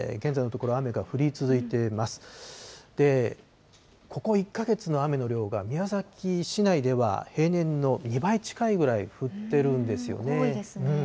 ここ１か月の雨の量が、宮崎市内では平年の２倍近いぐらい降っているんですよね。